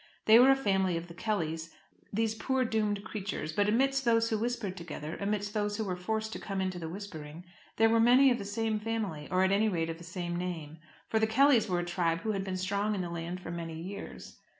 They were a family of the Kellys, these poor doomed creatures, but amidst those who whispered together, amidst those who were forced to come into the whispering, there were many of the same family; or, at any rate, of the same name. For the Kellys were a tribe who had been strong in the land for many years.